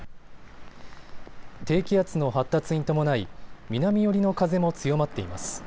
低気圧の発達に伴い南寄りの風も強まっています。